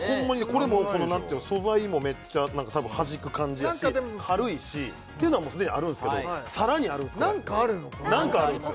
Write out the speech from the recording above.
これも素材もめっちゃはじく感じやし軽いしっていうのはもう既にあるんすけどさらにあるんですこれなんかあるんですよ